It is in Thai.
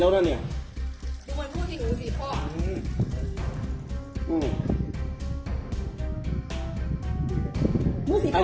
อาหารที่สุดท้าย